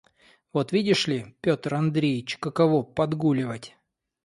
«Вот видишь ли, Петр Андреич, каково подгуливать.